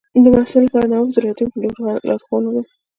د محصل لپاره نوښت د راتلونکي لارښوونه ده.